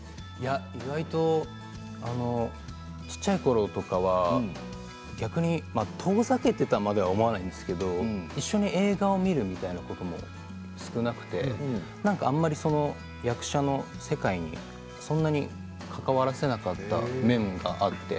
意外と小さいころとかは逆に遠ざけていたまでは思わないんですけれど一緒に映画を見るみたいなことも少なくてなんか、あまり役者の世界にそんなに関わらせなかった面があって。